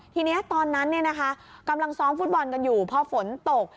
ทีนี้ตอนนั้นกำลังซ้อมฟุตบอลกันอยู่พอฝนตก